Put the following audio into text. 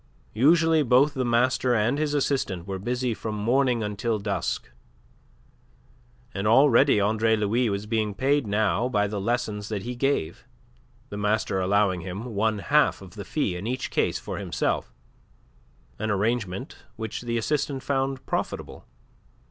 Usually both the master and his assistant were busy from morning until dusk, and already Andre Louis was being paid now by the lessons that he gave, the master allowing him one half of the fee in each case for himself, an arrangement which the assistant found profitable.